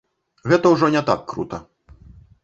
Гэта ўжо не так крута.